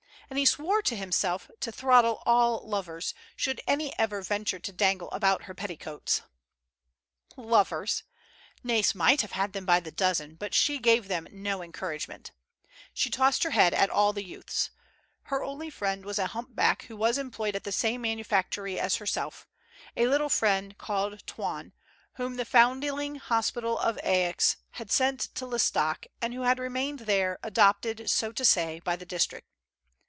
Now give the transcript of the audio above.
And he swore to himself to throttle all lovers, should any ever venture to dangle about her petticoats I Lovers! Nai's might have had them by the dozen, but she gave them no encouragement. She tossed her 122 FREDERIC AND NAIS. bead at all the youths. Her only friend was a bump back who was employed at the same manufactory as herself — a little fellow called Toine, whom the Found ling Hospital of Aix bad sent to L'Estaque, and who bad remained there, adopted, so to say, by the district.